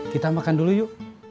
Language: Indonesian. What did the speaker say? kita makan dulu yuk